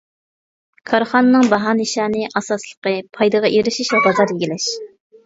كارخانىنىڭ باھا نىشانىنى ئاساسلىقى پايدىغا ئېرىشىش ۋە بازار ئىگىلەش.